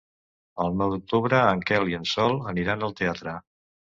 El nou d'octubre en Quel i en Sol aniran al teatre.